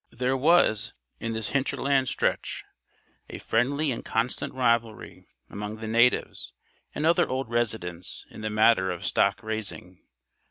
There was, in this hinterland stretch, a friendly and constant rivalry among the natives and other old residents in the matter of stock raising.